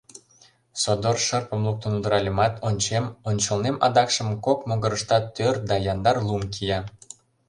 Содор шырпым луктын удыральымат, ончем: ончылнем, адакшым кок могырыштат тӧр да яндар лум кия.